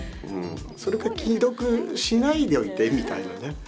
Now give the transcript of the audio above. それか既読しないでおいてみたいなね。